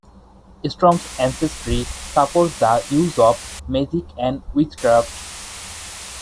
Storm's ancestry supports the use of magic and witchcraft.